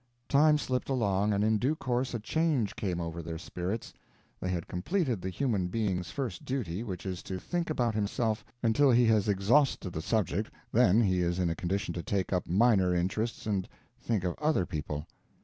Time slipped along, and in due course a change came over their spirits. They had completed the human being's first duty which is to think about himself until he has exhausted the subject, then he is in a condition to take up minor interests and think of other people.